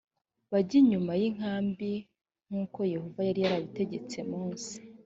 bajye inyuma y inkambi n nk uko yehova yari yarabitegetse mose